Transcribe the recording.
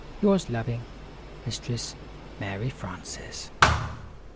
Your loving (Mistress) Mary Frances.